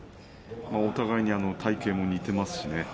お互いに体形も似ていますしね。